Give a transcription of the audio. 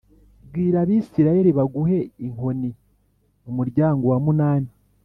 Bwira Abisirayeli baguhe inkoni umuryango wa munani